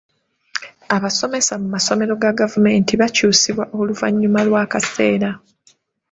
Abasomesa mu masomero ga gavumenti bakyusibwa oluvannyuma lw'akaseera.